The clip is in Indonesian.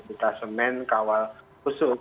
detasemen kawal khusus